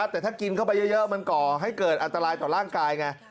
แต่ถ้ากินเข้าไปเยอะมันก่อให้เกิดอันตรายต่อร่างกายไง